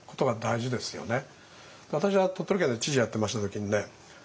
私は鳥取県の知事やってました時にね